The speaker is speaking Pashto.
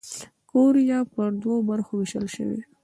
کوریا پر دوو برخو ووېشل شوه.